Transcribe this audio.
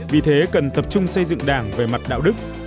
vì thế cần tập trung xây dựng đảng về mặt đạo đức